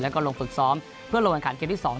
แล้วก็ลงฝึกซ้อมเพื่อลงการแข่งการเกมส์ที่สอง